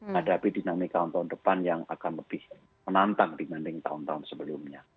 hadapi dinamika tahun tahun depan yang akan lebih menantang dibanding tahun tahun sebelumnya